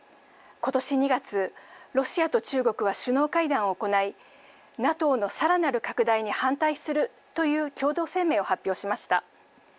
ことし２月、ロシアと中国は首脳会談を行い、ＮＡＴＯのさらなる拡大に反対するという共同声明を発表しました。